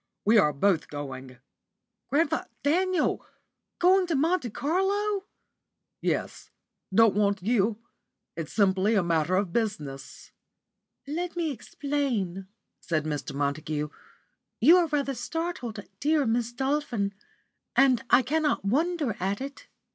We are both going." "Grandf ! Daniel! Going to Monte Carlo!" "Yes. Don't want you. It's simply a matter of business." "Let me explain," said Mr. Montague. "You are rather startled, dear Miss Dolphin, and I cannot wonder at it."